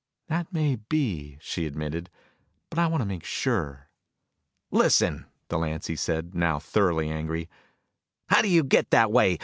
"That may be," she admitted, "but I want to make sure." "Listen," Delancy said, now thoroughly angry, "how do you get that way?